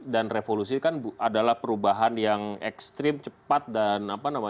dan revolusi kan adalah perubahan yang ekstrim cepat dan